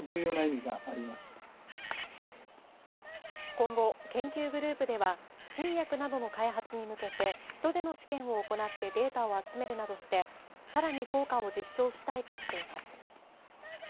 今後、研究グループでは新薬などの開発に向けて人での試験を行ってデータを集めるなどしてさらに効果を実証したいとしています。